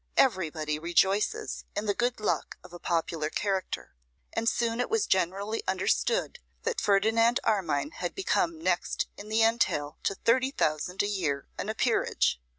Everybody rejoices in the good luck of a popular character; and soon it was generally understood that Ferdinand Armine had become next in the entail to thirty thousand a year and a peerage.